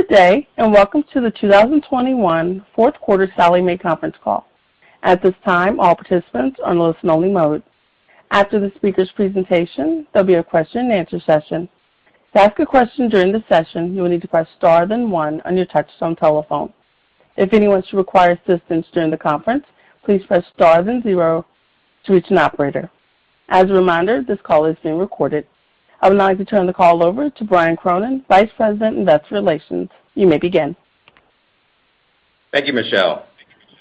Good day, and welcome to the 2021 fourth quarter Sallie Mae conference call. At this time, all participants are in listen only mode. After the speaker's presentation, there'll be a question-and-answer session. To ask a question during the session, you will need to press star then one on your touchtone telephone. If anyone should require assistance during the conference, please press star then zero to reach an operator. As a reminder, this call is being recorded. I would now like to turn the call over to Brian Cronin, Vice President, Investor Relations. You may begin. Thank you, Michele.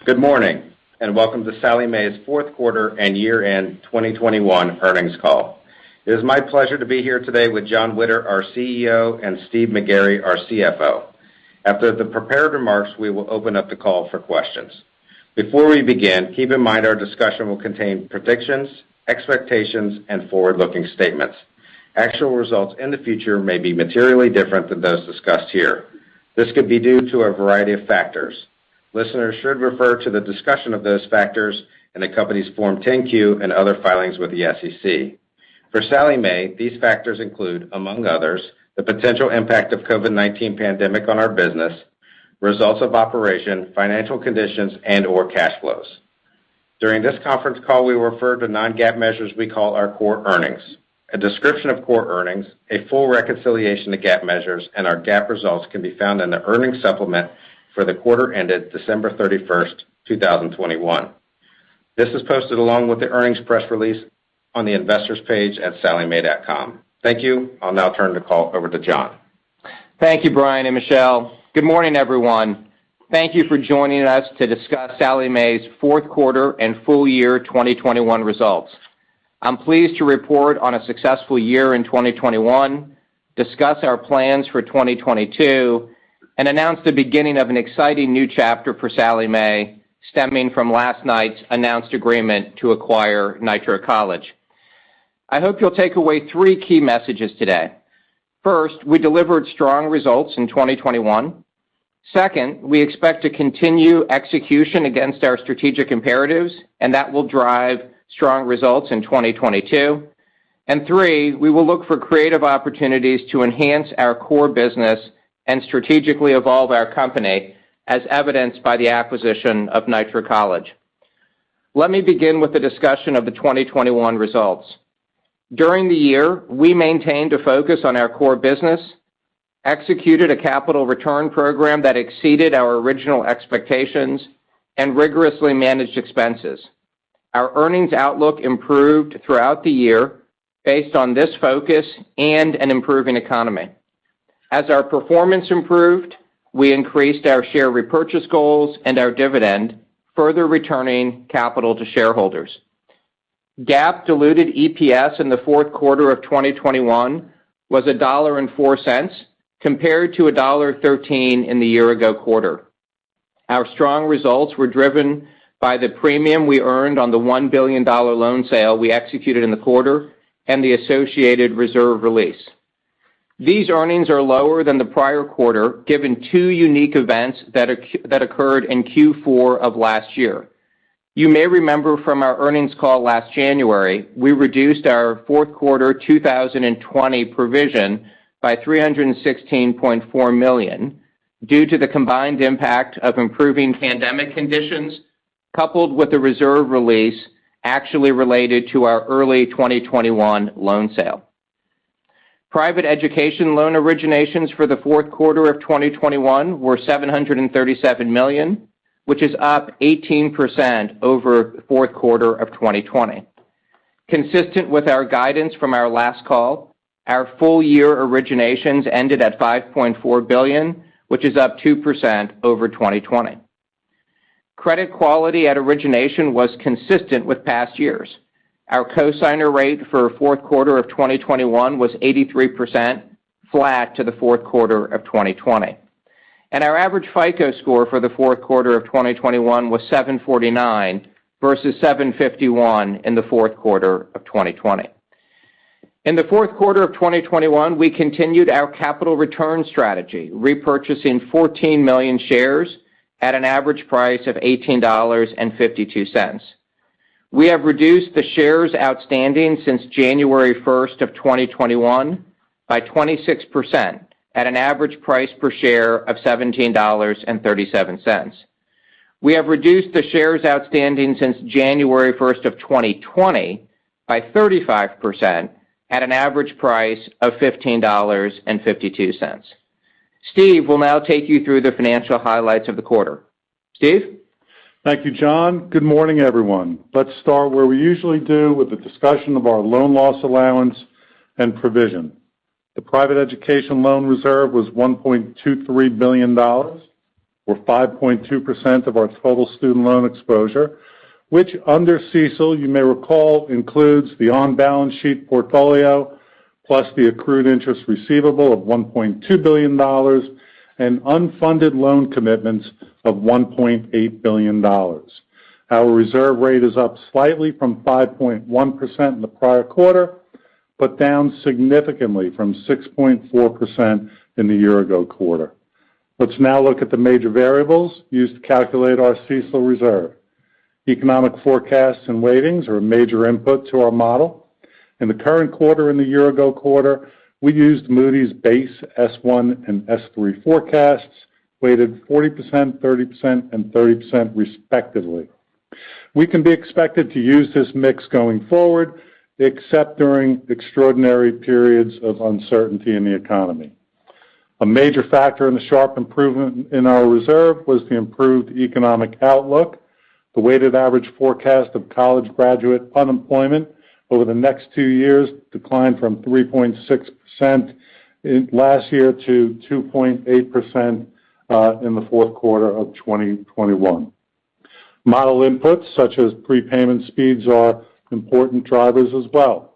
Good morning, and welcome to Sallie Mae's fourth quarter and year-end 2021 earnings call. It is my pleasure to be here today with Jonathan Witter, our CEO, and Steven McGarry, our CFO. After the prepared remarks, we will open up the call for questions. Before we begin, keep in mind our discussion will contain predictions, expectations and forward-looking statements. Actual results in the future may be materially different than those discussed here. This could be due to a variety of factors. Listeners should refer to the discussion of those factors in the company's Form 10-Q and other filings with the SEC. For Sallie Mae, these factors include, among others, the potential impact of COVID-19 pandemic on our business, results of operation, financial conditions and/or cash flows. During this conference call, we will refer to non-GAAP measures we call our core earnings. A description of core earnings, a full reconciliation to GAAP measures and our GAAP results can be found in the earnings supplement for the quarter ended December 31st, 2021. This is posted along with the earnings press release on the investors page at salliemae.com. Thank you. I'll now turn the call over to Jonathan. Thank you, Brian and Michele. Good morning, everyone. Thank you for joining us to discuss Sallie Mae's fourth quarter and full year 2021 results. I'm pleased to report on a successful year in 2021, discuss our plans for 2022, and announce the beginning of an exciting new chapter for Sallie Mae, stemming from last night's announced agreement to acquire Nitro College. I hope you'll take away three key messages today. First, we delivered strong results in 2021. Second, we expect to continue execution against our strategic imperatives, and that will drive strong results in 2022. Three, we will look for creative opportunities to enhance our core business and strategically evolve our company, as evidenced by the acquisition of Nitro College. Let me begin with a discussion of the 2021 results. During the year, we maintained a focus on our core business, executed a capital return program that exceeded our original expectations and rigorously managed expenses. Our earnings outlook improved throughout the year based on this focus and an improving economy. As our performance improved, we increased our share repurchase goals and our dividend, further returning capital to shareholders. GAAP diluted EPS in the fourth quarter of 2021 was $1.04, compared to $1.13 in the year ago quarter. Our strong results were driven by the premium we earned on the $1 billion loan sale we executed in the quarter and the associated reserve release. These earnings are lower than the prior quarter, given two unique events that occurred in Q4 of last year. You may remember from our earnings call last January, we reduced our fourth quarter 2020 provision by $316.4 million due to the combined impact of improving pandemic conditions, coupled with a reserve release actually related to our early 2021 loan sale. Private education loan originations for the fourth quarter of 2021 were $737 million, which is up 18% over the fourth quarter of 2020. Consistent with our guidance from our last call, our full year originations ended at $5.4 billion, which is up 2% over 2020. Credit quality at origination was consistent with past years. Our cosigner rate for fourth quarter of 2021 was 83%, flat to the fourth quarter of 2020. Our average FICO score for the fourth quarter of 2021 was 749 versus 751 in the fourth quarter of 2020. In the fourth quarter of 2021, we continued our capital return strategy, repurchasing 14 million shares at an average price of $18.52. We have reduced the shares outstanding since January 1st, 2021 by 26% at an average price per share of $17.37. We have reduced the shares outstanding since January 1st, 2020 by 35% at an average price of $15.52. Steven will now take you through the financial highlights of the quarter. Steven. Thank you, Jonathan. Good morning, everyone. Let's start where we usually do with a discussion of our loan loss allowance and provision. The private education loan reserve was $1.23 billion, or 5.2% of our total student loan exposure, which under CECL, you may recall, includes the on-balance sheet portfolio, plus the accrued interest receivable of $1.2 billion and unfunded loan commitments of $1.8 billion. Our reserve rate is up slightly from 5.1% in the prior quarter, but down significantly from 6.4% in the year ago quarter. Let's now look at the major variables used to calculate our CECL reserve. Economic forecasts and weightings are a major input to our model. In the current quarter and the year-ago quarter, we used Moody's base S1 and S3 forecasts, weighted 40%, 30%, and 30% respectively. We can be expected to use this mix going forward, except during extraordinary periods of uncertainty in the economy. A major factor in the sharp improvement in our reserve was the improved economic outlook. The weighted average forecast of college graduate unemployment over the next two years declined from 3.6% in last year to 2.8% in the fourth quarter of 2021. Model inputs, such as prepayment speeds, are important drivers as well.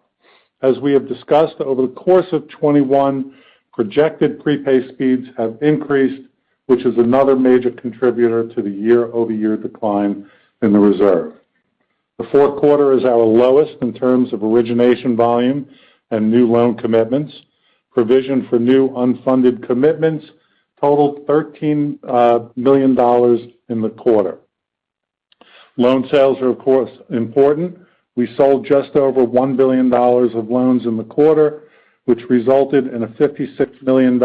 As we have discussed over the course of 2021, projected prepay speeds have increased, which is another major contributor to the year-over-year decline in the reserve. The fourth quarter is our lowest in terms of origination volume and new loan commitments. Provision for new unfunded commitments totaled $13 million in the quarter. Loan sales are, of course, important. We sold just over $1 billion of loans in the quarter, which resulted in a $56 million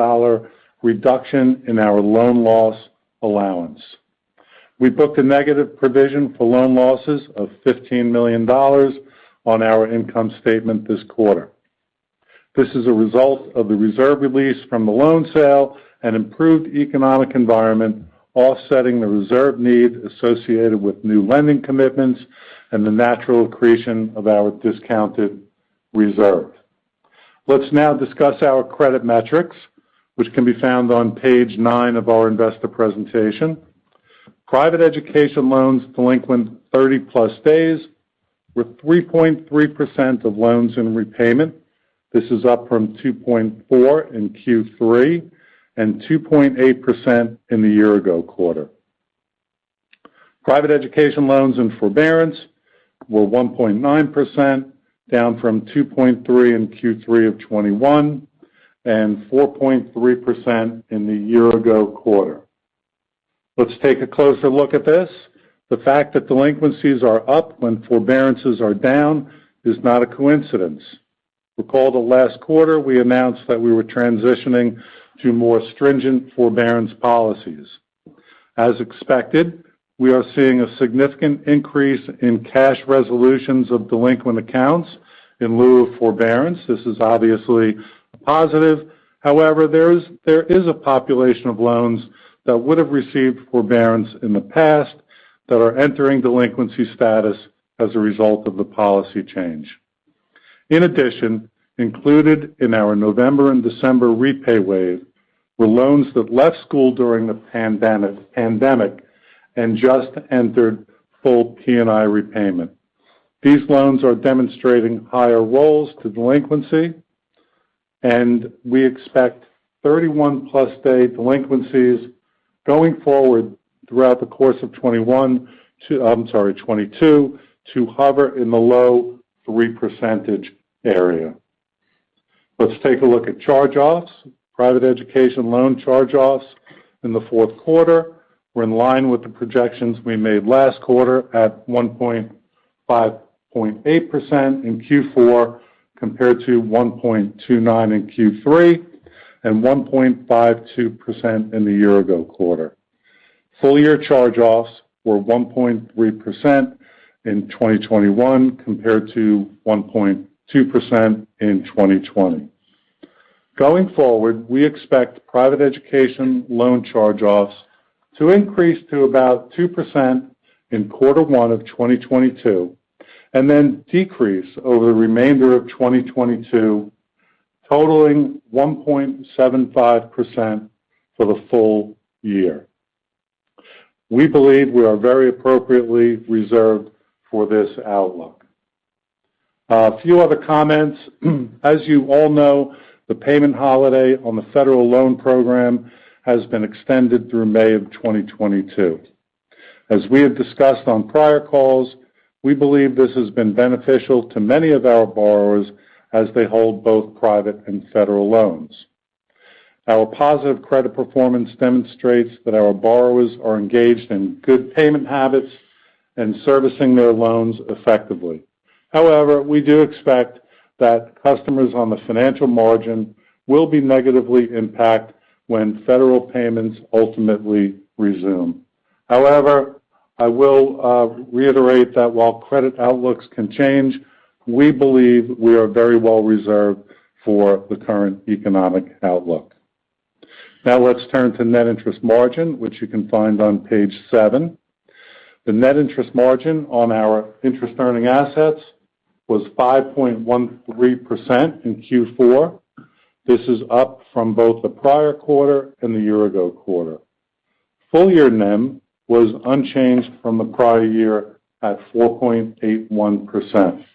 reduction in our loan loss allowance. We booked a negative provision for loan losses of $15 million on our income statement this quarter. This is a result of the reserve release from the loan sale and improved economic environment, offsetting the reserve need associated with new lending commitments and the natural accretion of our discounted reserve. Let's now discuss our credit metrics, which can be found on page nine of our investor presentation. Private education loans delinquent 30+ days were 3.3% of loans in repayment. This is up from 2.4% in Q3 and 2.8% in the year-ago quarter. Private education loans in forbearance were 1.9%, down from 2.3% in Q3 of 2021 and 4.3% in the year-ago quarter. Let's take a closer look at this. The fact that delinquencies are up when forbearances are down is not a coincidence. Recall that last quarter we announced that we were transitioning to more stringent forbearance policies. As expected, we are seeing a significant increase in cash resolutions of delinquent accounts in lieu of forbearance. This is obviously a positive. However, there is a population of loans that would have received forbearance in the past that are entering delinquency status as a result of the policy change. In addition, included in our November and December repay wave were loans that left school during the pandemic and just entered full P&I repayment. These loans are demonstrating higher rolls to delinquency, and we expect 31+ day delinquencies going forward throughout the course of 2022 to hover in the low 3% area. Let's take a look at charge-offs. Private education loan charge-offs in the fourth quarter were in line with the projections we made last quarter at 1.58% in Q4, compared to 1.29% in Q3 and 1.52% in the year-ago quarter. Full-year charge-offs were 1.3% in 2021 compared to 1.2% in 2020. Going forward, we expect private education loan charge-offs to increase to about 2% in quarter one of 2022, and then decrease over the remainder of 2022, totaling 1.75% for the full year. We believe we are very appropriately reserved for this outlook. A few other comments. As you all know, the payment holiday on the federal loan program has been extended through May 2022. As we have discussed on prior calls, we believe this has been beneficial to many of our borrowers as they hold both private and federal loans. Our positive credit performance demonstrates that our borrowers are engaged in good payment habits and servicing their loans effectively. However, we do expect that customers on the financial margin will be negatively impact when federal payments ultimately resume. However, I will reiterate that while credit outlooks can change, we believe we are very well reserved for the current economic outlook. Now let's turn to net interest margin, which you can find on page seven. The net interest margin on our interest-earning assets was 5.13% in Q4. This is up from both the prior quarter and the year-ago quarter. Full-year NIM was unchanged from the prior year at 4.81%.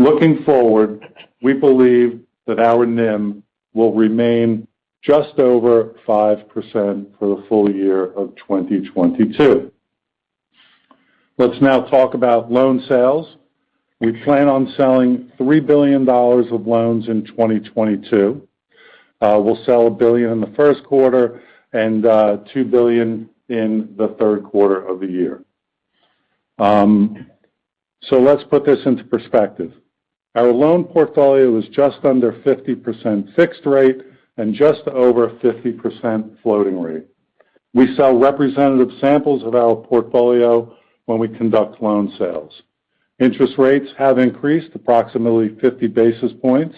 Looking forward, we believe that our NIM will remain just over 5% for the full year of 2022. Let's now talk about loan sales. We plan on selling $3 billion of loans in 2022. We'll sell $1 billion in the first quarter and $2 billion in the third quarter of the year. So let's put this into perspective. Our loan portfolio is just under 50% fixed rate and just over 50% floating rate. We sell representative samples of our portfolio when we conduct loan sales. Interest rates have increased approximately 50 basis points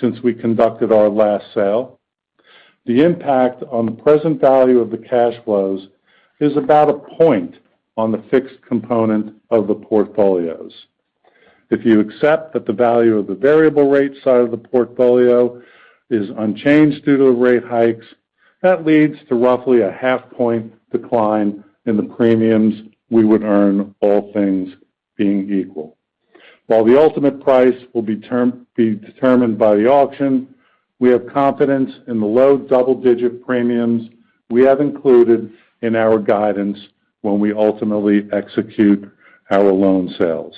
since we conducted our last sale. The impact on the present value of the cash flows is about 1 point on the fixed component of the portfolios. If you accept that the value of the variable rate side of the portfolio is unchanged due to the rate hikes, that leads to roughly 0.5 point decline in the premiums we would earn, all things being equal. While the ultimate price will be determined by the auction, we have confidence in the low double-digit premiums we have included in our guidance when we ultimately execute our loan sales.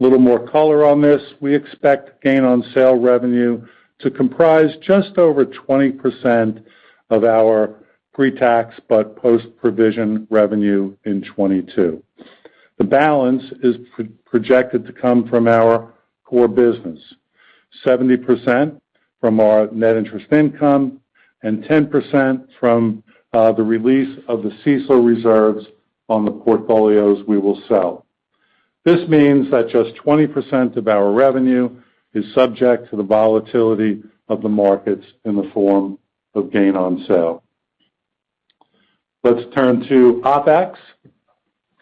A little more color on this. We expect gain on sale revenue to comprise just over 20% of our pre-tax but post-provision revenue in 2022. The balance is projected to come from our core business. 70% from our net interest income and 10% from the release of the CECL reserves on the portfolios we will sell. This means that just 20% of our revenue is subject to the volatility of the markets in the form of gain on sale. Let's turn to OpEx.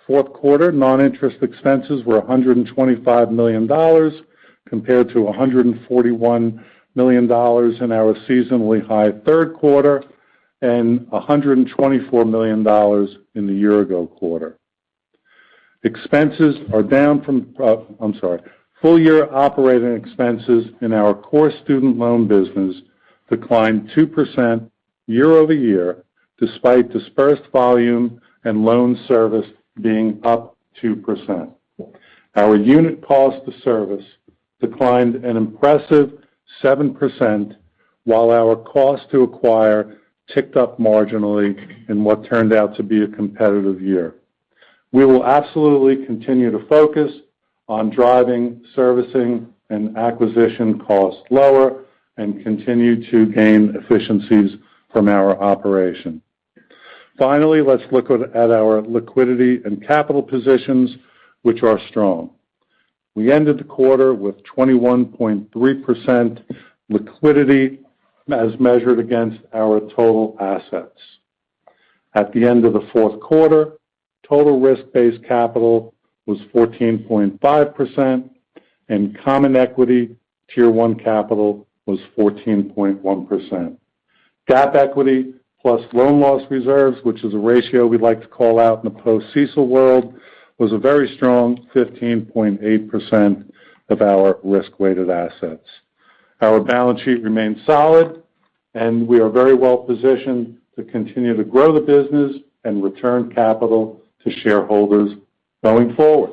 Fourth quarter non-interest expenses were $125 million, compared to $141 million in our seasonally high third quarter and $124 million in the year ago quarter. Full year operating expenses in our core student loan business declined 2% year-over-year, despite disbursed volume and loan servicing being up 2%. Our unit cost to service declined an impressive 7%, while our cost to acquire ticked up marginally in what turned out to be a competitive year. We will absolutely continue to focus on driving, servicing, and acquisition costs lower and continue to gain efficiencies from our operation. Finally, let's look at our liquidity and capital positions, which are strong. We ended the quarter with 21.3% liquidity as measured against our total assets. At the end of the fourth quarter, total risk-based capital was 14.5% and Common Equity Tier 1 capital was 14.1%. GAAP equity plus loan loss reserves, which is a ratio we like to call out in the post-CECL world, was a very strong 15.8% of our risk-weighted assets. Our balance sheet remains solid and we are very well positioned to continue to grow the business and return capital to shareholders going forward.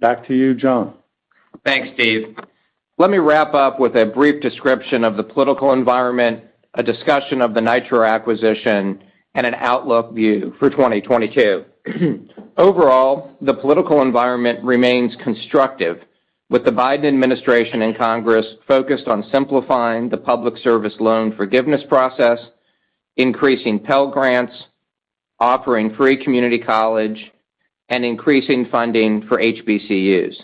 Back to you, Jonathan. Thanks, Steven. Let me wrap up with a brief description of the political environment, a discussion of the Nitro acquisition, and an outlook view for 2022. Overall, the political environment remains constructive, with the Biden administration and Congress focused on simplifying the Public Service Loan Forgiveness process, increasing Pell Grants, offering free community college, and increasing funding for HBCUs.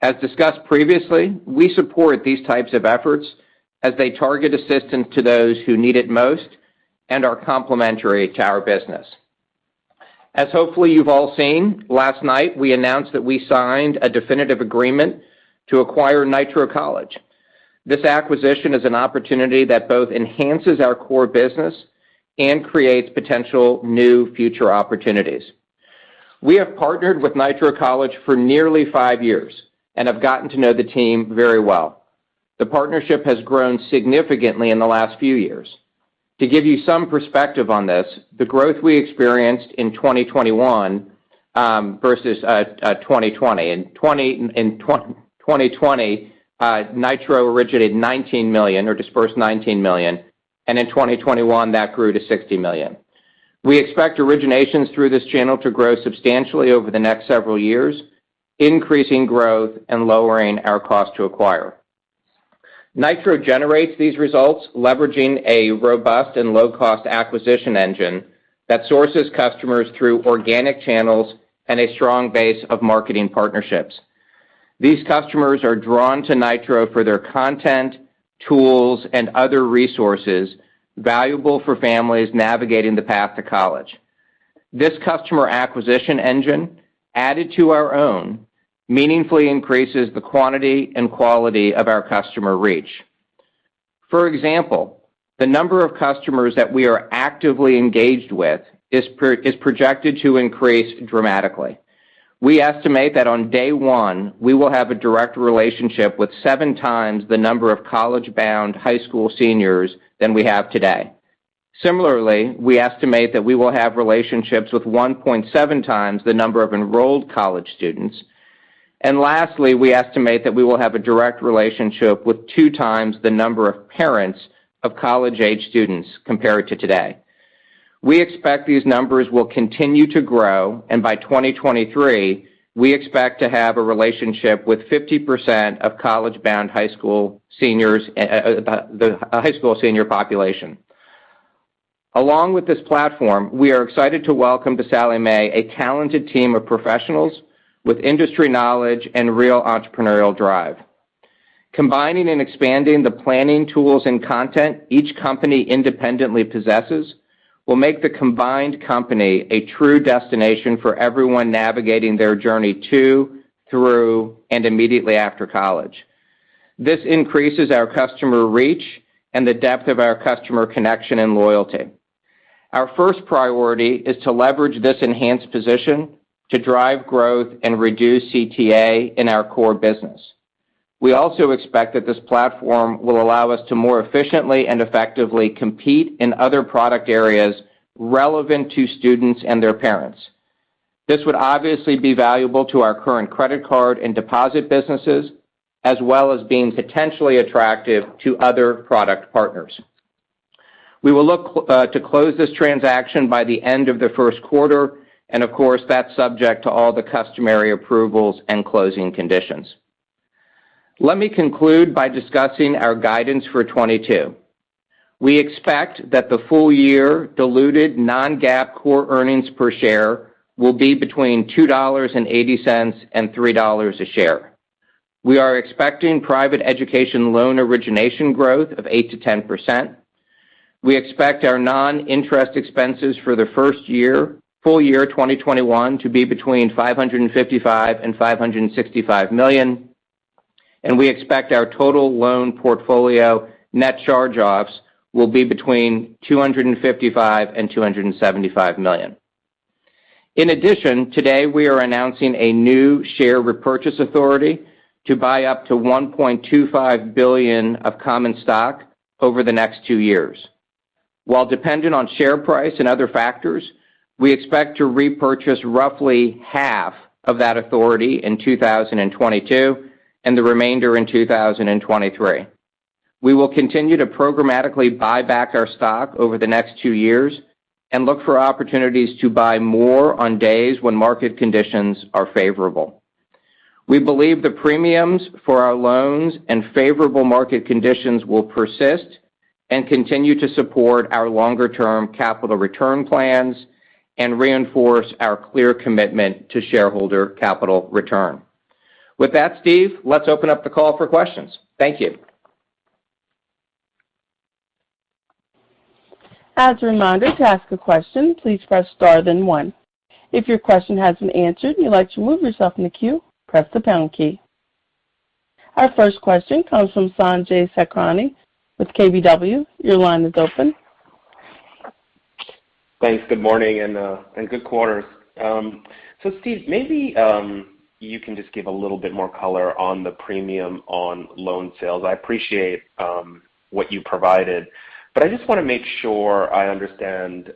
As discussed previously, we support these types of efforts as they target assistance to those who need it most and are complementary to our business. As hopefully you've all seen, last night we announced that we signed a definitive agreement to acquire Nitro College. This acquisition is an opportunity that both enhances our core business and creates potential new future opportunities. We have partnered with Nitro College for nearly five years and have gotten to know the team very well. The partnership has grown significantly in the last few years. To give you some perspective on this, the growth we experienced in 2021 versus 2020. In 2020, Nitro originated $19 million or disbursed $19 million, and in 2021, that grew to $60 million. We expect originations through this channel to grow substantially over the next several years, increasing growth and lowering our cost to acquire. Nitro generates these results leveraging a robust and low-cost acquisition engine that sources customers through organic channels and a strong base of marketing partnerships. These customers are drawn to Nitro for their content, tools, and other resources valuable for families navigating the path to college. This customer acquisition engine, added to our own, meaningfully increases the quantity and quality of our customer reach. For example, the number of customers that we are actively engaged with is projected to increase dramatically. We estimate that on day one, we will have a direct relationship with 7x the number of college-bound high school seniors than we have today. Similarly, we estimate that we will have relationships with 1.7x the number of enrolled college students. Lastly, we estimate that we will have a direct relationship with 2x the number of parents of college-age students compared to today. We expect these numbers will continue to grow, and by 2023, we expect to have a relationship with 50% of college-bound high school seniors, high school senior population. Along with this platform, we are excited to welcome to Sallie Mae a talented team of professionals with industry knowledge and real entrepreneurial drive. Combining and expanding the planning tools and content each company independently possesses will make the combined company a true destination for everyone navigating their journey to, through, and immediately after college. This increases our customer reach and the depth of our customer connection and loyalty. Our first priority is to leverage this enhanced position to drive growth and reduce CTA in our core business. We also expect that this platform will allow us to more efficiently and effectively compete in other product areas relevant to students and their parents. This would obviously be valuable to our current credit card and deposit businesses, as well as being potentially attractive to other product partners. We will look to close this transaction by the end of the first quarter, and of course, that's subject to all the customary approvals and closing conditions. Let me conclude by discussing our guidance for 2022. We expect that the full year diluted non-GAAP core earnings per share will be between $2.80 and $3 a share. We are expecting private education loan origination growth of 8%-10%. We expect our non-interest expenses for the first year, full year 2021 to be between $555 million and $565 million. We expect our total loan portfolio net charge-offs will be between $255 million and $275 million. In addition, today we are announcing a new share repurchase authority to buy up to $1.25 billion of common stock over the next two years. While dependent on share price and other factors, we expect to repurchase roughly half of that authority in 2022 and the remainder in 2023. We will continue to programmatically buy back our stock over the next two years and look for opportunities to buy more on days when market conditions are favorable. We believe the premiums for our loans and favorable market conditions will persist and continue to support our longer-term capital return plans and reinforce our clear commitment to shareholder capital return. With that, Steven, let's open up the call for questions. Thank you. As a reminder, to ask a question, please press star then one. If your question hasn't been answered and you'd like to move yourself in the queue, press the pound key. Our first question comes from Sanjay Sakhrani with KBW. Your line is open. Thanks. Good morning and good quarter. So Steven, maybe you can just give a little bit more color on the premium on loan sales. I appreciate what you provided, but I just wanna make sure I understand,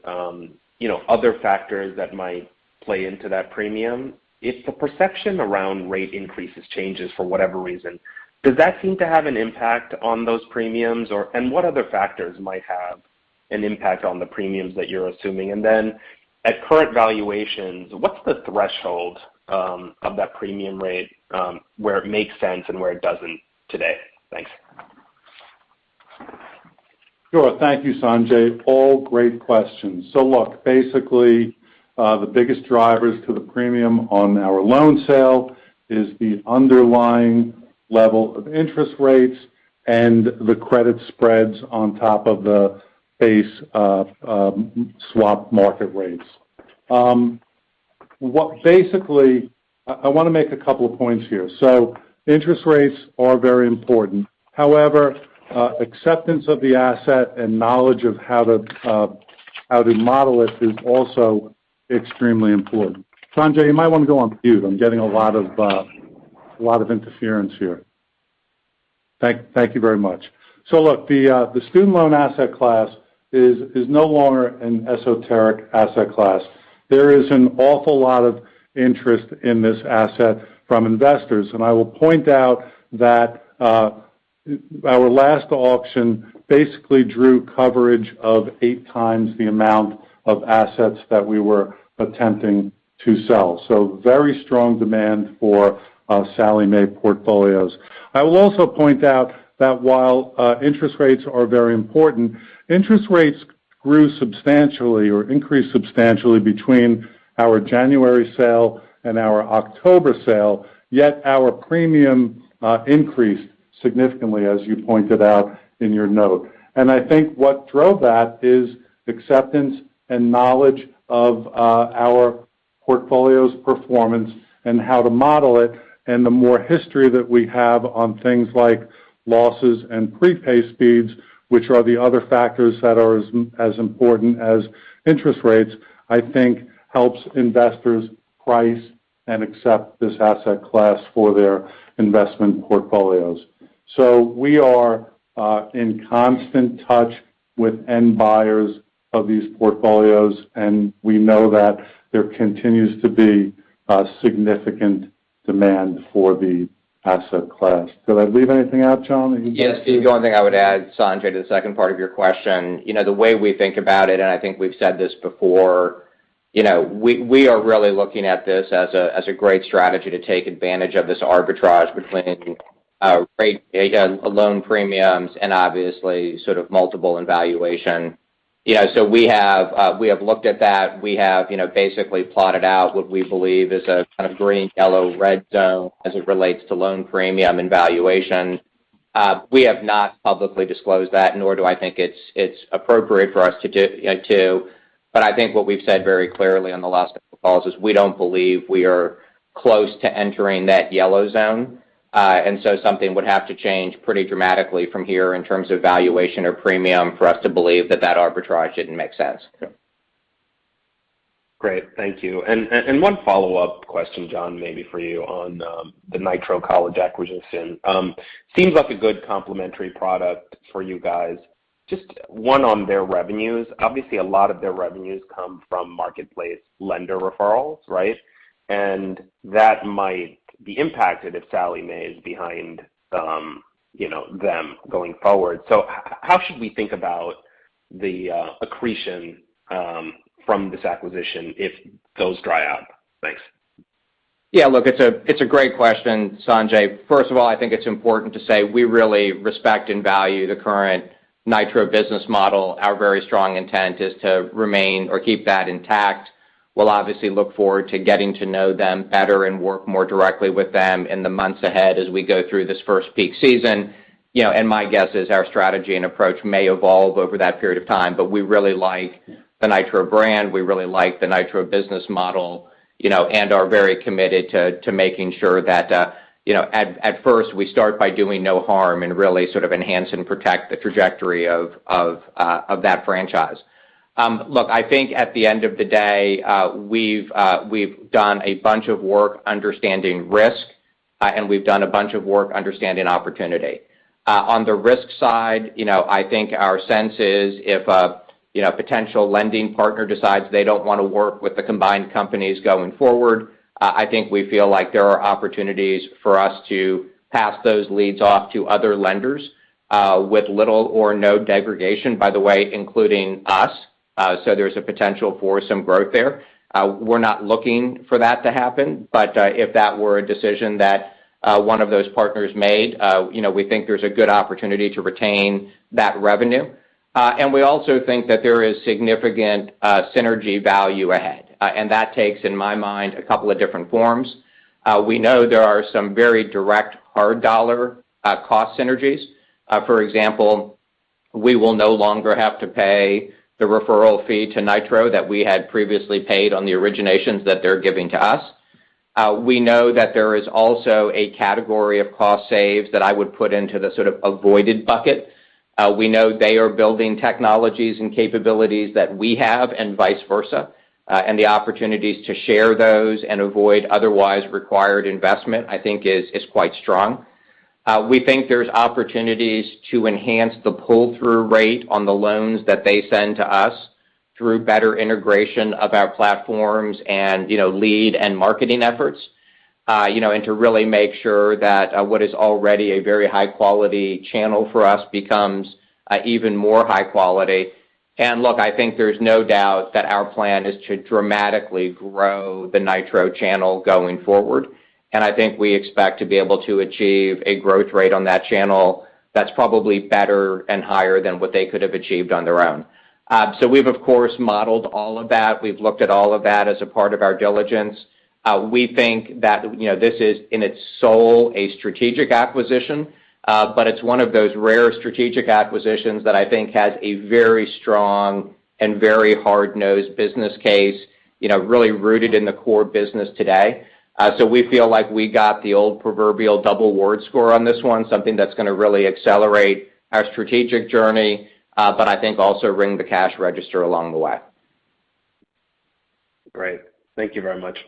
you know, other factors that might play into that premium. If the perception around rate increases changes for whatever reason, does that seem to have an impact on those premiums or, and what other factors might have an impact on the premiums that you're assuming? And then at current valuations, what's the threshold of that premium rate where it makes sense and where it doesn't today? Thanks. Sure. Thank you, Sanjay. All great questions. Look, basically, the biggest drivers to the premium on our loan sale is the underlying level of interest rates and the credit spreads on top of the base swap market rates. I wanna make a couple of points here. Interest rates are very important. However, acceptance of the asset and knowledge of how to model it is also extremely important. Sanjay, you might wanna go on mute. I'm getting a lot of interference here. Thank you very much. Look, the student loan asset class is no longer an esoteric asset class. There is an awful lot of interest in this asset from investors. I will point out that, our last auction basically drew coverage of 8x the amount of assets that we were attempting to sell. Very strong demand for, Sallie Mae portfolios. I will also point out that while, interest rates are very important, interest rates grew substantially or increased substantially between our January sale and our October sale, yet our premium, increased significantly, as you pointed out in your note. I think what drove that is acceptance and knowledge of, our portfolio's performance and how to model it. The more history that we have on things like losses and prepay speeds, which are the other factors that are as important as interest rates, I think helps investors price and accept this asset class for their investment portfolios. We are in constant touch with end buyers of these portfolios, and we know that there continues to be significant demand for the asset class. Did I leave anything out, Jonathan? Yes. The only thing I would add, Sanjay, to the second part of your question, you know, the way we think about it, and I think we've said this before, you know, we are really looking at this as a great strategy to take advantage of this arbitrage between loan premiums and obviously sort of multiple and valuation. You know, so we have looked at that. We have, you know, basically plotted out what we believe is a kind of green, yellow, red zone as it relates to loan premium and valuation. We have not publicly disclosed that, nor do I think it's appropriate for us to do. But I think what we've said very clearly on the last couple calls is we don't believe we are close to entering that yellow zone. Something would have to change pretty dramatically from here in terms of valuation or premium for us to believe that arbitrage didn't make sense. Yeah. Great. Thank you. One follow-up question, Jonathan, maybe for you on the Nitro College acquisition. Seems like a good complementary product for you guys. Just one on their revenues. Obviously, a lot of their revenues come from marketplace lender referrals, right? That might be impacted if Sallie Mae is behind, you know, them going forward. How should we think about the accretion from this acquisition if those dry out? Thanks. Yeah. Look, it's a great question, Sanjay. First of all, I think it's important to say we really respect and value the current Nitro business model. Our very strong intent is to remain or keep that intact. We'll obviously look forward to getting to know them better and work more directly with them in the months ahead as we go through this first peak season. You know, and my guess is our strategy and approach may evolve over that period of time. But we really like the Nitro brand, we really like the Nitro business model, you know, and are very committed to making sure that, you know, at first, we start by doing no harm and really sort of enhance and protect the trajectory of that franchise. Look, I think at the end of the day, we've done a bunch of work understanding risk, and we've done a bunch of work understanding opportunity. On the risk side, you know, I think our sense is if a potential lending partner decides they don't wanna work with the combined companies going forward, I think we feel like there are opportunities for us to pass those leads off to other lenders, with little or no degradation, by the way, including us. There's a potential for some growth there. We're not looking for that to happen, but if that were a decision that one of those partners made, you know, we think there's a good opportunity to retain that revenue. We also think that there is significant synergy value ahead. That takes, in my mind, a couple of different forms. We know there are some very direct hard dollar cost synergies. For example, we will no longer have to pay the referral fee to Nitro that we had previously paid on the originations that they're giving to us. We know that there is also a category of cost saves that I would put into the sort of avoided bucket. We know they are building technologies and capabilities that we have and vice versa. The opportunities to share those and avoid otherwise required investment, I think is quite strong. We think there's opportunities to enhance the pull-through rate on the loans that they send to us through better integration of our platforms and, you know, lead and marketing efforts. You know, to really make sure that what is already a very high-quality channel for us becomes even more high quality. Look, I think there's no doubt that our plan is to dramatically grow the Nitro channel going forward, and I think we expect to be able to achieve a growth rate on that channel that's probably better and higher than what they could have achieved on their own. We've of course modeled all of that. We've looked at all of that as a part of our diligence. We think that, you know, this is in itself a strategic acquisition, but it's one of those rare strategic acquisitions that I think has a very strong and very hard-nosed business case, you know, really rooted in the core business today. We feel like we got the old proverbial double word score on this one, something that's gonna really accelerate our strategic journey, but I think also ring the cash register along the way. Great. Thank you very much.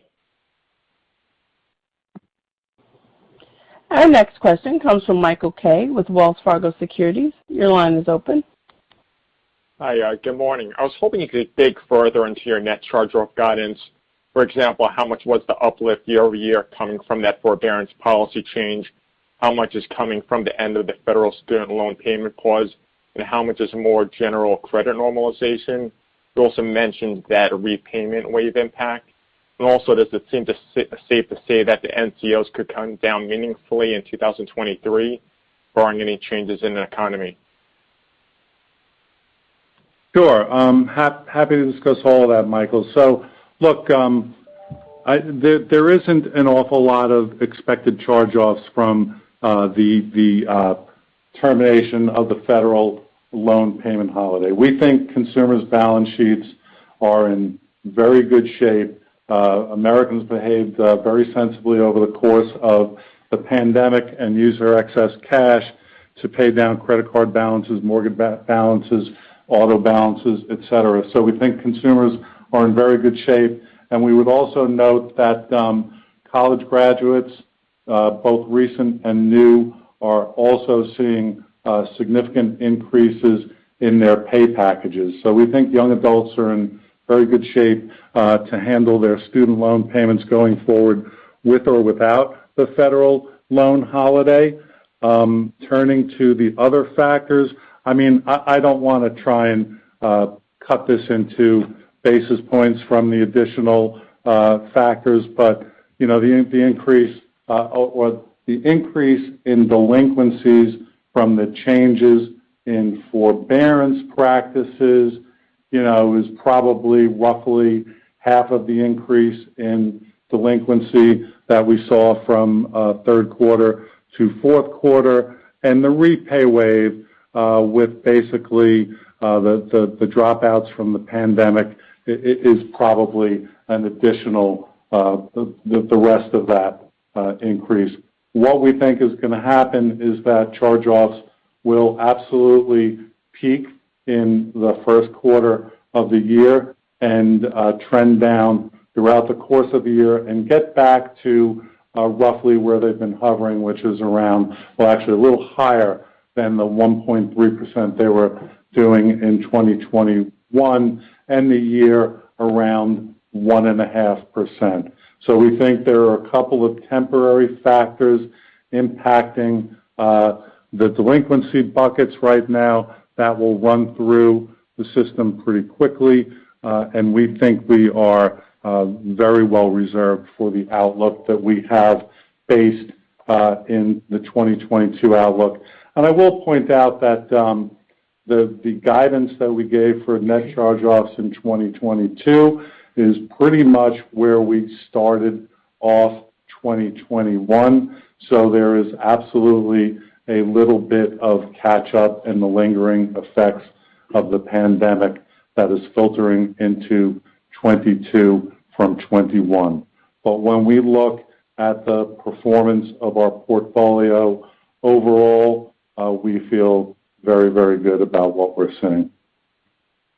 Our next question comes from Michael Kaye with Wells Fargo Securities. Your line is open. Hi. Good morning. I was hoping you could dig further into your net charge-off guidance. For example, how much was the uplift year over year coming from that forbearance policy change? How much is coming from the end of the federal student loan payment pause, and how much is more general credit normalization? You also mentioned that repayment wave impact. Also, does it seem safe to say that the NCOs could come down meaningfully in 2023 barring any changes in the economy? Sure. Happy to discuss all that, Michael. Look, there isn't an awful lot of expected charge-offs from the termination of the federal loan payment holiday. We think consumers' balance sheets are in very good shape. Americans behaved very sensibly over the course of the pandemic and used their excess cash to pay down credit card balances, mortgage balances, auto balances, et cetera. We think consumers are in very good shape. We would also note that college graduates, both recent and new, are also seeing significant increases in their pay packages. We think young adults are in very good shape to handle their student loan payments going forward with or without the federal loan holiday. Turning to the other factors. I mean, I don't wanna try and cut this into basis points from the additional factors. You know, the increase in delinquencies from the changes in forbearance practices is probably roughly half of the increase in delinquency that we saw from third quarter to fourth quarter. The repay wave with basically the dropouts from the pandemic is probably an additional the rest of that increase. What we think is gonna happen is that charge-offs will absolutely peak in the first quarter of the year and trend down throughout the course of the year and get back to roughly where they've been hovering, which is around, or actually a little higher than the 1.3% they were doing in 2021, and the year around 1.5%. We think there are a couple of temporary factors impacting the delinquency buckets right now that will run through the system pretty quickly. We think we are very well reserved for the outlook that we have based in the 2022 outlook. I will point out that the guidance that we gave for net charge-offs in 2022 is pretty much where we started off 2021. There is absolutely a little bit of catch-up in the lingering effects of the pandemic that is filtering into 2022 from 2021. When we look at the performance of our portfolio overall, we feel very, very good about what we're seeing.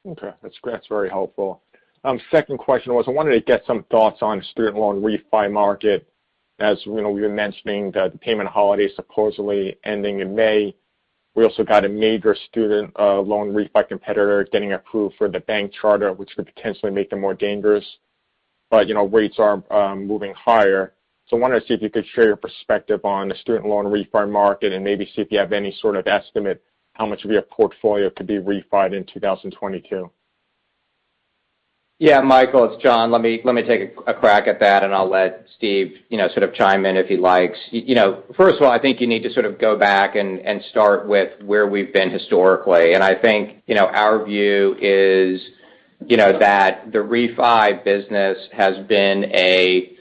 Okay. That's very helpful. Second question was I wanted to get some thoughts on student loan refi market. As you know, you were mentioning the payment holiday supposedly ending in May. We also got a major student loan refi competitor getting approved for the bank charter, which could potentially make them more dangerous. You know, rates are moving higher. I wanted to see if you could share your perspective on the student loan refi market and maybe see if you have any sort of estimate how much of your portfolio could be refi'd in 2022. Yeah, Michael, it's Jonathan. Let me take a crack at that, and I'll let Steven, you know, sort of chime in if he likes. You know, first of all, I think you need to sort of go back and start with where we've been historically. I think, you know, our view is, you know, that the refi business has been a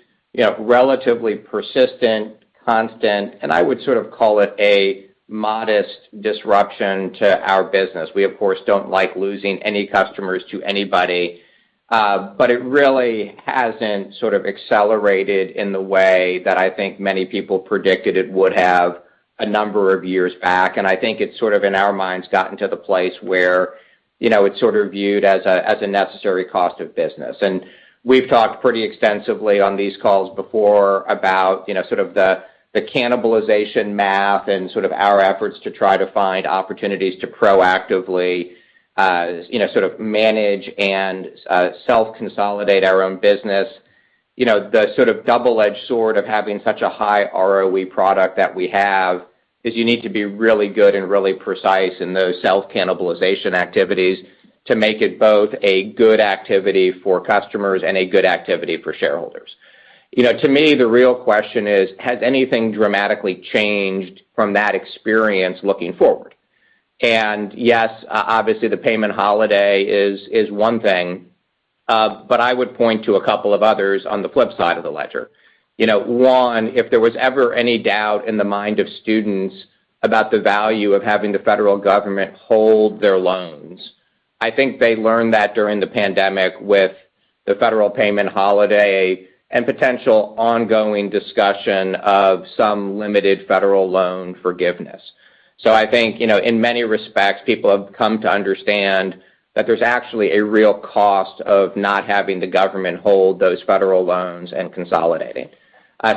relatively persistent, constant, and I would sort of call it a modest disruption to our business. We, of course, don't like losing any customers to anybody. But it really hasn't sort of accelerated in the way that I think many people predicted it would have a number of years back. I think it's sort of, in our minds, gotten to the place where, you know, it's sort of viewed as a necessary cost of business. We've talked pretty extensively on these calls before about, you know, sort of the cannibalization math and sort of our efforts to try to find opportunities to proactively, you know, sort of manage and self-consolidate our own business. You know, the sort of double-edged sword of having such a high ROE product that we have is you need to be really good and really precise in those self-cannibalization activities to make it both a good activity for customers and a good activity for shareholders. You know, to me, the real question is. Has anything dramatically changed from that experience looking forward? Yes, obviously, the payment holiday is one thing. I would point to a couple of others on the flip side of the ledger. You know, one, if there was ever any doubt in the mind of students about the value of having the federal government hold their loans, I think they learned that during the pandemic with the federal payment holiday and potential ongoing discussion of some limited federal loan forgiveness. I think, you know, in many respects, people have come to understand that there's actually a real cost of not having the government hold those federal loans and consolidating.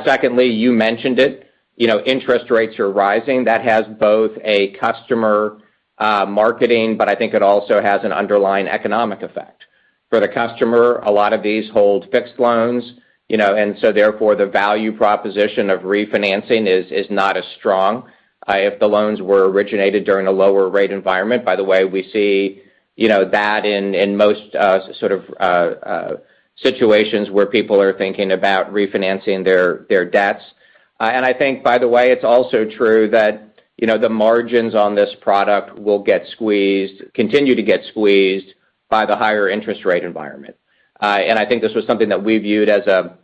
Secondly, you mentioned it, you know, interest rates are rising. That has both a customer, marketing, but I think it also has an underlying economic effect. For the customer, a lot of these hold fixed loans, you know, and so therefore the value proposition of refinancing is not as strong, if the loans were originated during a lower rate environment. By the way, we see, you know, that in most sort of situations where people are thinking about refinancing their debts. I think by the way, it's also true that, you know, the margins on this product will get squeezed, continue to get squeezed by the higher interest rate environment. I think this was something that we viewed as a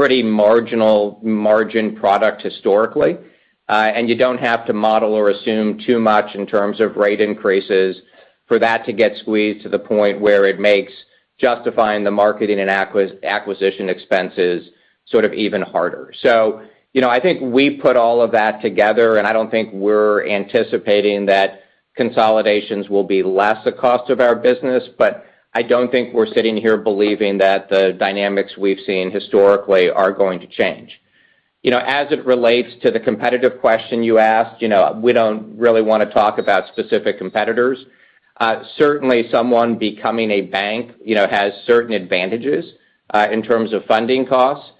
pretty marginal margin product historically. You don't have to model or assume too much in terms of rate increases for that to get squeezed to the point where it makes justifying the marketing and acquisition expenses sort of even harder. You know, I think we put all of that together, and I don't think we're anticipating that consolidations will be less a cost of our business, but I don't think we're sitting here believing that the dynamics we've seen historically are going to change. You know, as it relates to the competitive question you asked, you know, we don't really wanna talk about specific competitors. Certainly someone becoming a bank, you know, has certain advantages in terms of funding costs.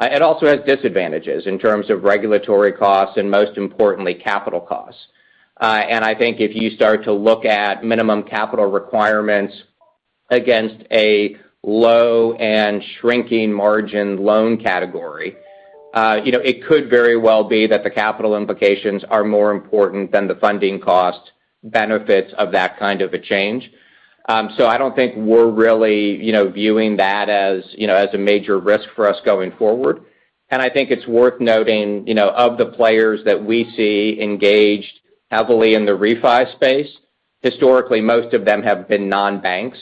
It also has disadvantages in terms of regulatory costs and most importantly, capital costs. I think if you start to look at minimum capital requirements against a low and shrinking margin loan category, you know, it could very well be that the capital implications are more important than the funding cost benefits of that kind of a change. I don't think we're really, you know, viewing that as, you know, as a major risk for us going forward. I think it's worth noting, you know, of the players that we see engaged heavily in the refi space, historically, most of them have been non-banks,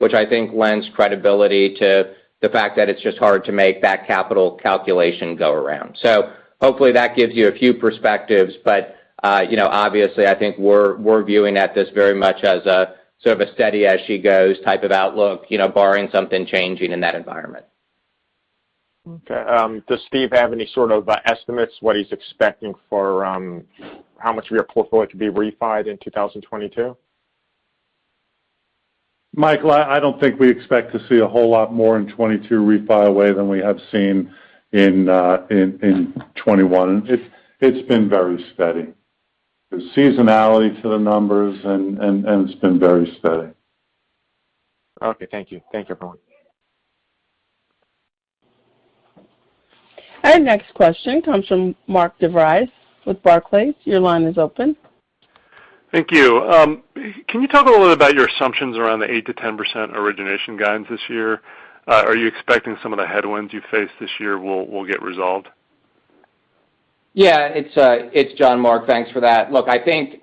which I think lends credibility to the fact that it's just hard to make that capital calculation go around. Hopefully, that gives you a few perspectives. You know, obviously, I think we're viewing this very much as a sort of a steady-as-she-goes type of outlook, you know, barring something changing in that environment. Okay. Does Steven have any sort of estimates what he's expecting for how much of your portfolio could be refinanced in 2022? Michael, I don't think we expect to see a whole lot more in 2022 refi activity than we have seen in 2021. It's been very steady. There's seasonality to the numbers and it's been very steady. Okay, thank you. Thank you, everyone. Our next question comes from Mark DeVries with Barclays. Your line is open. Thank you. Can you talk a little about your assumptions around the 8%-10% origination guidance this year? Are you expecting some of the headwinds you faced this year will get resolved? Yeah. It's Jonathan, Mark. Thanks for that. Look, I think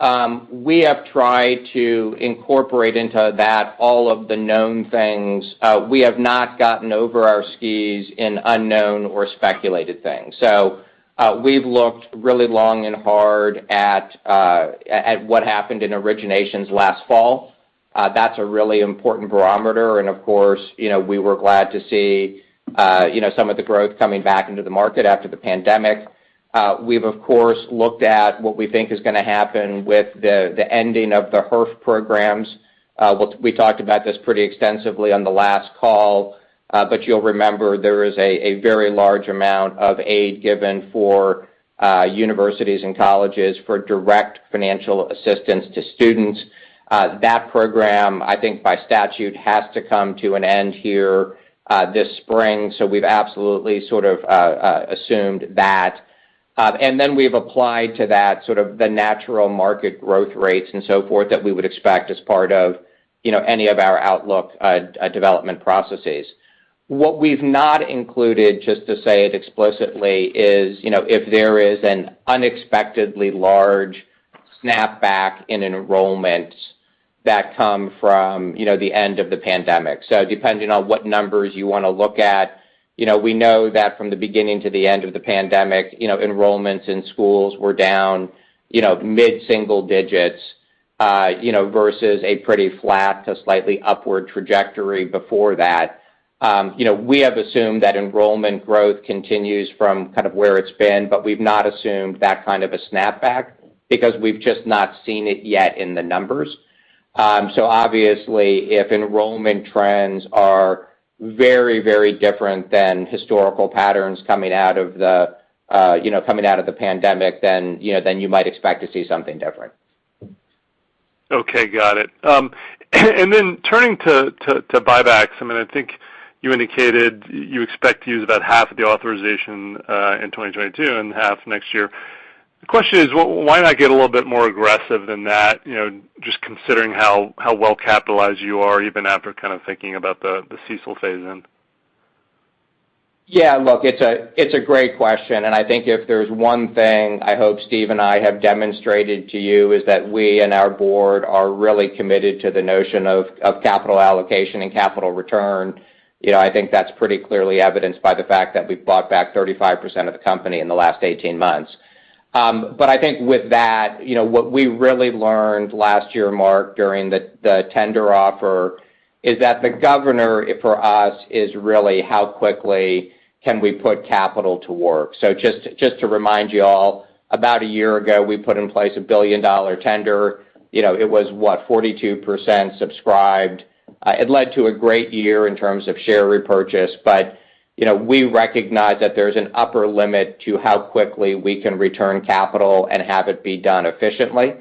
we have tried to incorporate into that all of the known things. We have not gotten over our skis in unknown or speculated things. We've looked really long and hard at what happened in originations last fall. That's a really important barometer, and of course, you know, we were glad to see you know, some of the growth coming back into the market after the pandemic. We've of course looked at what we think is gonna happen with the ending of the HEERF programs. We talked about this pretty extensively on the last call. You'll remember there is a very large amount of aid given for universities and colleges for direct financial assistance to students. That program, I think by statute, has to come to an end here, this spring, so we've absolutely sort of assumed that. We've applied to that sort of the natural market growth rates and so forth that we would expect as part of, you know, any of our outlook, development processes. What we've not included, just to say it explicitly, is, you know, if there is an unexpectedly large snapback in enrollments that come from, you know, the end of the pandemic. Depending on what numbers you wanna look at, you know, we know that from the beginning to the end of the pandemic, you know, enrollments in schools were down, you know, mid-single digits, versus a pretty flat to slightly upward trajectory before that. You know, we have assumed that enrollment growth continues from kind of where it's been, but we've not assumed that kind of a snapback because we've just not seen it yet in the numbers. Obviously if enrollment trends are very, very different than historical patterns coming out of the pandemic, then, you know, then you might expect to see something different. Okay, got it. I mean, I think you indicated you expect to use about half of the authorization in 2022 and half next year. The question is why not get a little bit more aggressive than that, you know, just considering how well capitalized you are even after kind of thinking about the CECL phase-in? Yeah. Look, it's a great question. I think if there's one thing I hope Steven and I have demonstrated to you is that we and our board are really committed to the notion of capital allocation and capital return. You know, I think that's pretty clearly evidenced by the fact that we've bought back 35% of the company in the last 18 months. But I think with that, you know, what we really learned last year, Mark, during the tender offer is that the governor for us is really how quickly can we put capital to work. Just to remind you all, about a year ago, we put in place a $1 billion tender. You know, it was, what, 42% subscribed. It led to a great year in terms of share repurchase, but, you know, we recognize that there's an upper limit to how quickly we can return capital and have it be done efficiently.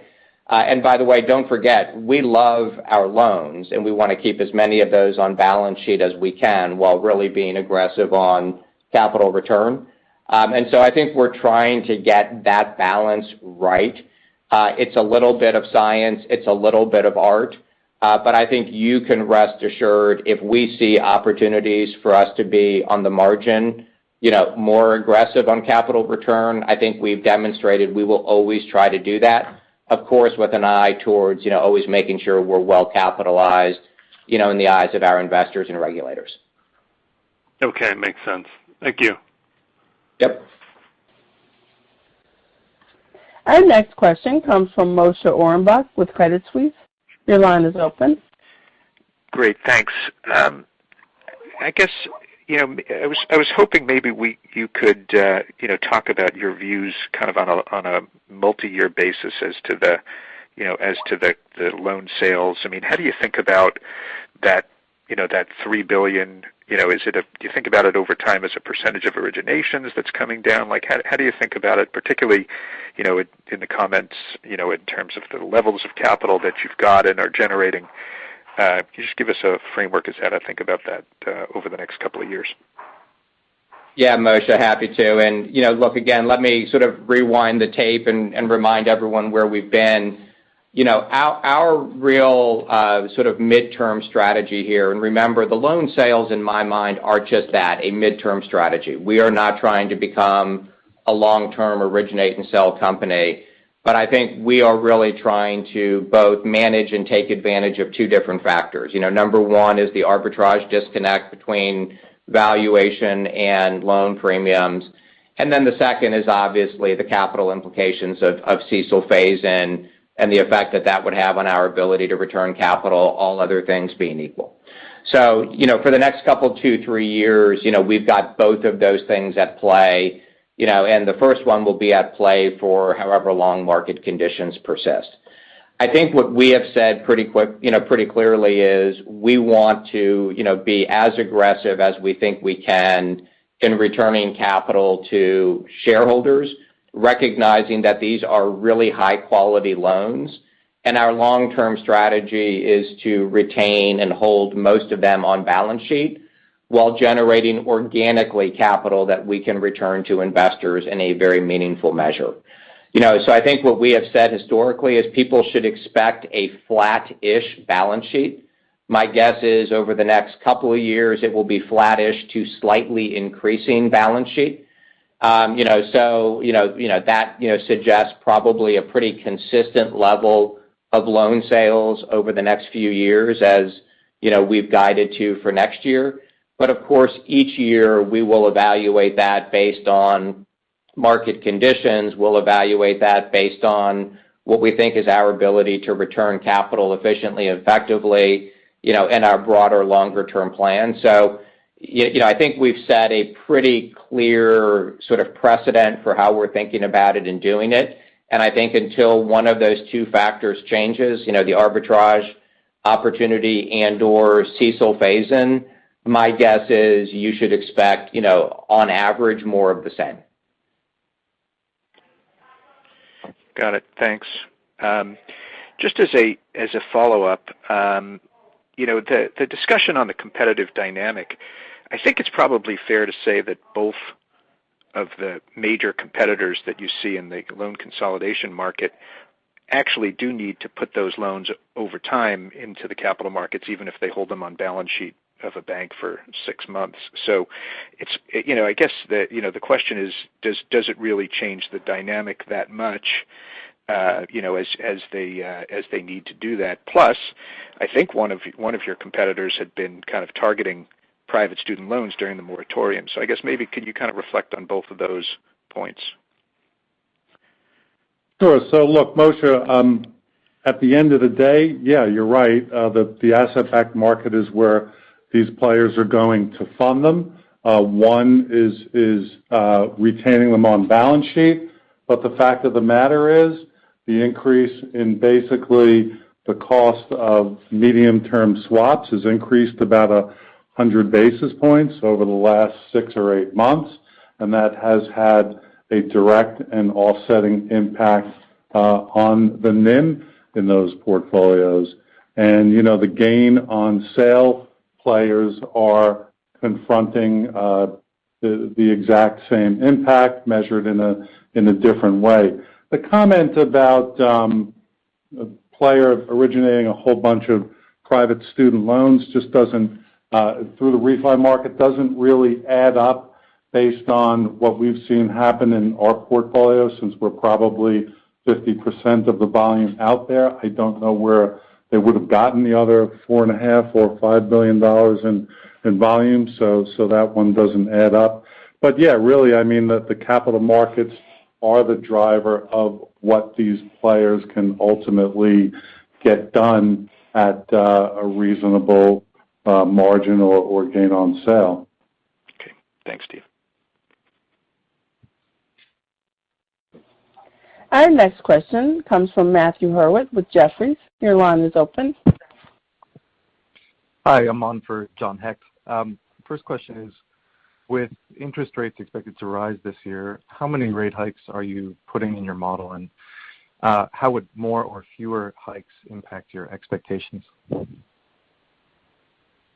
By the way, don't forget, we love our loans, and we wanna keep as many of those on balance sheet as we can while really being aggressive on capital return. I think we're trying to get that balance right. It's a little bit of science. It's a little bit of art. I think you can rest assured if we see opportunities for us to be on the margin, you know, more aggressive on capital return. I think we've demonstrated we will always try to do that, of course, with an eye towards, you know, always making sure we're well capitalized, you know, in the eyes of our investors and regulators. Okay. Makes sense. Thank you. Yep. Our next question comes from Moshe Orenbuch with Credit Suisse. Your line is open. Great. Thanks. I guess, you know, I was hoping you could, you know, talk about your views kind of on a multiyear basis as to the, you know, loan sales. I mean, how do you think about that, you know, that $3 billion? You know, do you think about it over time as a percentage of originations that's coming down? Like, how do you think about it, particularly, you know, in the comments, you know, in terms of the levels of capital that you've got and are generating? Can you just give us a framework as how to think about that, over the next couple of years? Yeah, Moshe, happy to. You know, look, again, let me sort of rewind the tape and remind everyone where we've been. You know, our real sort of midterm strategy here, and remember, the loan sales in my mind are just that, a midterm strategy. We are not trying to become a long-term originate and sell company. I think we are really trying to both manage and take advantage of two different factors. You know, number one is the arbitrage disconnect between valuation and loan premiums. Then the second is obviously the capital implications of CECL phase-in and the effect that that would have on our ability to return capital, all other things being equal. You know, for the next couple, two, three years, you know, we've got both of those things at play, you know, and the first one will be at play for however long market conditions persist. I think what we have said pretty quick, you know, pretty clearly is we want to, you know, be as aggressive as we think we can in returning capital to shareholders, recognizing that these are really high-quality loans. Our long-term strategy is to retain and hold most of them on balance sheet while generating organically capital that we can return to investors in a very meaningful measure. You know, I think what we have said historically is people should expect a flat-ish balance sheet. My guess is over the next couple of years, it will be flattish to slightly increasing balance sheet. You know, so, you know, that suggests probably a pretty consistent level of loan sales over the next few years as, you know, we've guided to for next year. Of course, each year, we will evaluate that based on market conditions. We'll evaluate that based on what we think is our ability to return capital efficiently, effectively, you know, in our broader longer-term plan. You know, I think we've set a pretty clear sort of precedent for how we're thinking about it and doing it. I think until one of those two factors changes, you know, the arbitrage opportunity and/or CECL phase-in, my guess is you should expect, you know, on average, more of the same. Got it. Thanks. Just as a follow-up, you know, the discussion on the competitive dynamic, I think it's probably fair to say that both of the major competitors that you see in the loan consolidation market actually do need to put those loans over time into the capital markets, even if they hold them on balance sheet of a bank for six months. It's, you know, I guess the question is, does it really change the dynamic that much, you know, as they need to do that? Plus, I think one of your competitors had been kind of targeting private student loans during the moratorium. I guess maybe can you kind of reflect on both of those points? Sure. So look, Moshe, at the end of the day, yeah, you're right, the asset-backed market is where these players are going to fund them. One is retaining them on balance sheet. The fact of the matter is the increase in basically the cost of medium-term swaps has increased about 100 basis points over the last six or eight months, and that has had a direct and offsetting impact on the NIM in those portfolios. You know, the gain on sale players are confronting the exact same impact measured in a different way. The comment about a player originating a whole bunch of private student loans just doesn't really add up based on what we've seen happen in our portfolio since we're probably 50% of the volume out there. I don't know where they would have gotten the other $4.5 billion or $5 billion in volume. That one doesn't add up. Yeah, really, I mean, the capital markets are the driver of what these players can ultimately get done at a reasonable margin or gain on sale. Okay. Thanks, Steven. Our next question comes from Matthew Howlett with Jefferies. Your line is open. Hi. I'm on for John Hecht. First question is, with interest rates expected to rise this year, how many rate hikes are you putting in your model? How would more or fewer hikes impact your expectations?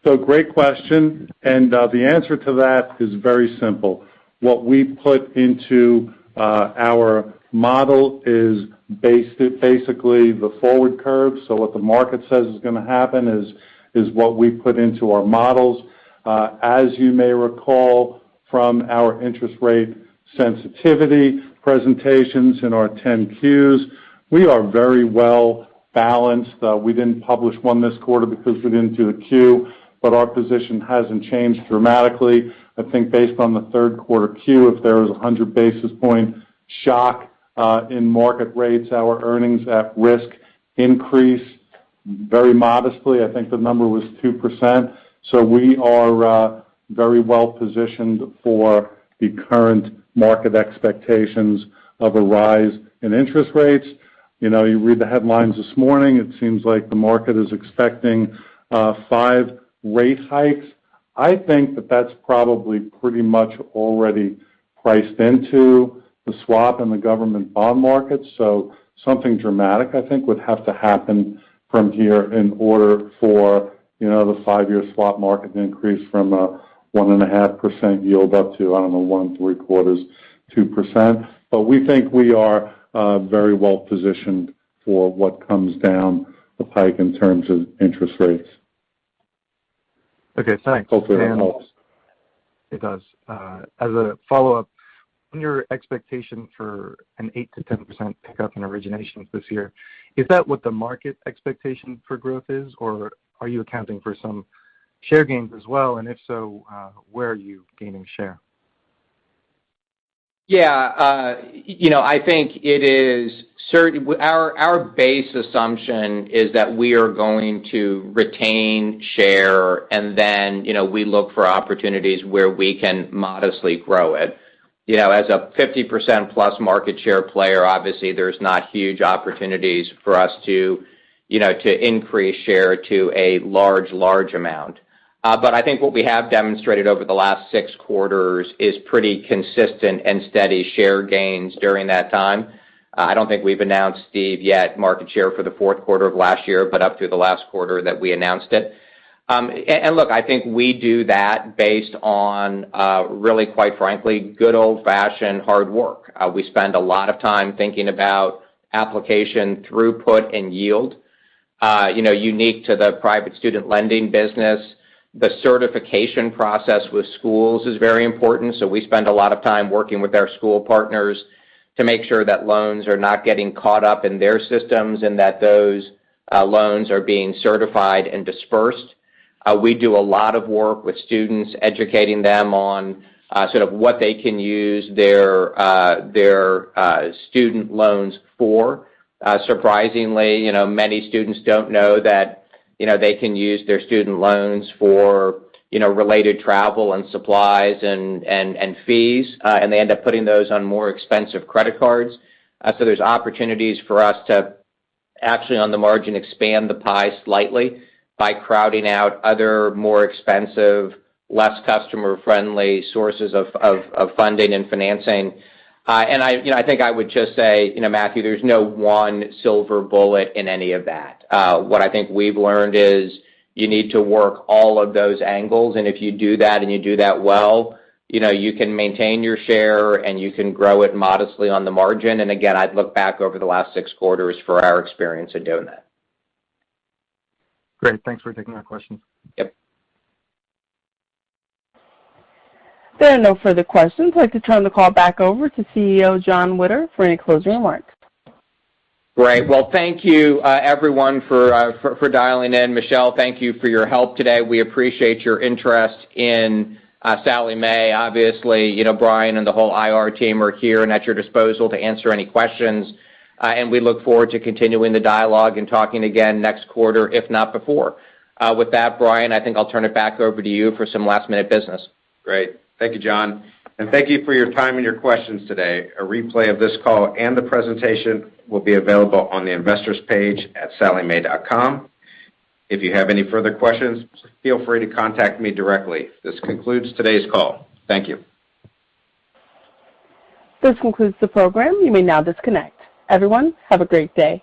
Great question, and the answer to that is very simple. What we put into our model is basically the forward curve. What the market says is gonna happen is what we put into our models. As you may recall from our interest rate sensitivity presentations in our 10-Qs, we are very well balanced. We didn't publish one this quarter because we didn't do a 10-Q, but our position hasn't changed dramatically. I think based on the third quarter 10-Q, if there was a 100 basis point shock in market rates, our earnings at risk increased very modestly. I think the number was 2%. We are very well positioned for the current market expectations of a rise in interest rates. You know, you read the headlines this morning, it seems like the market is expecting five rate hikes. I think that that's probably pretty much already priced into the swap and the government bond market. Something dramatic, I think, would have to happen from here in order for, you know, the five-year swap market to increase from a 1.5% yield up to, I don't know, 1.75%, 2%. We think we are very well positioned for what comes down the pike in terms of interest rates. Okay, thanks. Hopefully that helps. It does. As a follow-up, on your expectation for an 8%-10% pickup in originations this year, is that what the market expectation for growth is, or are you accounting for some share gains as well? If so, where are you gaining share? Yeah, you know, I think it is certain. Our base assumption is that we are going to retain share and then, you know, we look for opportunities where we can modestly grow it. You know, as a 50%+ market share player, obviously there's not huge opportunities for us to, you know, to increase share to a large amount. But I think what we have demonstrated over the last six quarters is pretty consistent and steady share gains during that time. I don't think we've announced, Steven, yet market share for the fourth quarter of last year, but up through the last quarter that we announced it. And look, I think we do that based on, really quite frankly, good old-fashioned hard work. We spend a lot of time thinking about application throughput and yield. You know, unique to the private student lending business, the certification process with schools is very important, so we spend a lot of time working with our school partners to make sure that loans are not getting caught up in their systems and that those loans are being certified and dispersed. We do a lot of work with students, educating them on sort of what they can use their student loans for. Surprisingly, you know, many students don't know that, you know, they can use their student loans for, you know, related travel and supplies and fees, and they end up putting those on more expensive credit cards. So there's opportunities for us to actually, on the margin, expand the pie slightly by crowding out other more expensive, less customer-friendly sources of funding and financing. You know, I think I would just say, you know, Matthew, there's no one silver bullet in any of that. What I think we've learned is you need to work all of those angles, and if you do that, and you do that well, you know, you can maintain your share, and you can grow it modestly on the margin. Again, I'd look back over the last six quarters for our experience in doing that. Great. Thanks for taking my questions. Yep. There are no further questions. I'd like to turn the call back over to CEO, Jonathan Witter, for any closing remarks. Great. Well, thank you, everyone for dialing in. Michele, thank you for your help today. We appreciate your interest in Sallie Mae. Obviously, you know, Brian and the whole IR team are here and at your disposal to answer any questions. We look forward to continuing the dialogue and talking again next quarter, if not before. With that, Brian, I think I'll turn it back over to you for some last-minute business. Great. Thank you, John, and thank you for your time and your questions today. A replay of this call and the presentation will be available on the investors page at salliemae.com. If you have any further questions, feel free to contact me directly. This concludes today's call. Thank you. This concludes the program. You may now disconnect. Everyone, have a great day.